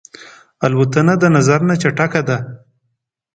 الوتکه د نظر نه چټکه ده.